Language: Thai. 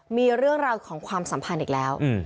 มีเรื่องราวของความสัมพันธ์อีกแล้ว